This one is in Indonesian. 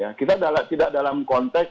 ya kita tidak dalam konteks